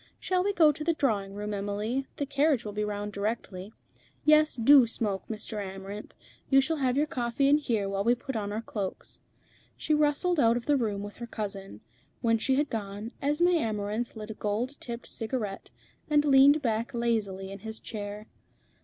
Shall we go into the drawing room, Emily? the carriage will be round directly. Yes; do smoke, Mr. Amarinth. You shall have your coffee in here while we put on our cloaks." She rustled out of the room with her cousin. When she had gone, Esmé Amarinth lit a gold tipped cigarette, and leaned back lazily in his chair.